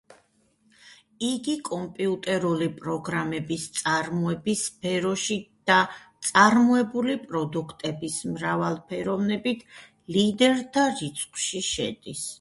იგი კომპიუტერული პროგრამების წარმოების სფეროში და წარმოებული პროდუქტების მრავალფეროვნებით ლიდერთა რიცხვში შედის.